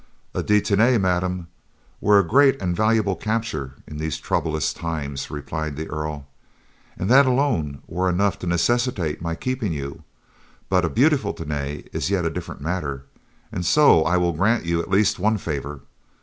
"A De Tany, madam, were a great and valuable capture in these troublous times," replied the Earl, "and that alone were enough to necessitate my keeping you; but a beautiful De Tany is yet a different matter and so I will grant you at least one favor.